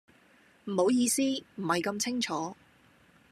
唔好意思，唔係咁清楚